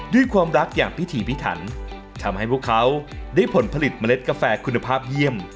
ด้วยความรักอย่างพิถีพิถันทำให้พวกเขาได้ผลผลิตเมล็ดกาแฟคุณภาพเยี่ยม